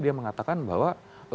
dia mengatakan bahwa